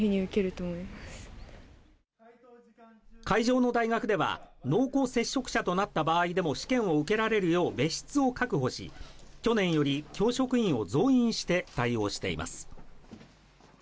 会場の大学では濃厚接触者となった場合でも試験を受けられるよう別室を確保し去年より教職員を増員して対応しています